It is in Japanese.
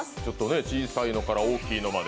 小さいのから大きいのまで。